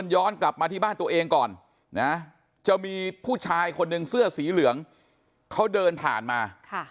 ย้อนกลับมาที่บ้านตัวเองก่อนนะจะมีผู้ชายคนหนึ่งเสื้อสีเหลืองเขาเดินผ่านมา